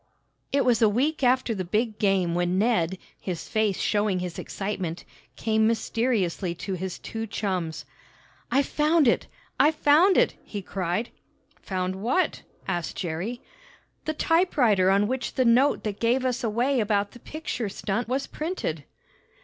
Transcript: It was a week after the big game when Ned, his face showing his excitement, came mysteriously to his two chums. "I've found it! I've found it!" he cried. "Found what?" asked Jerry. "The typewriter on which the note that gave us away about the picture stunt was printed."